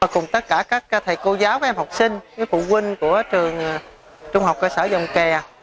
cùng tất cả các thầy cô giáo các em học sinh phụ huynh của trường trung học cơ sở dòng kè